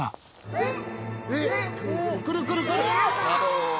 えっ！